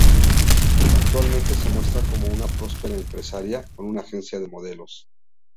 Actualmente se muestra como una próspera empresaria con una agencia de modelos.